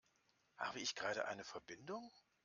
Habe ich gerade eine Verbindung?